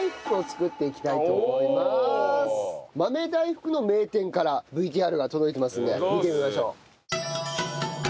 豆大福の名店からＶＴＲが届いてますので見てみましょう。